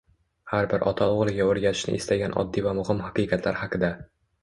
Har bir ota o‘g‘liga o‘rgatishni istagan oddiy va muhim haqiqatlar haqida